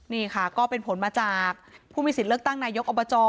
นี่ค่ะก็เป็นผลมาจากผู้มีสิทธิ์เลือกตั้งนายกอบจ